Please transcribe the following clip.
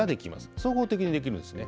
総合的にできるんですね。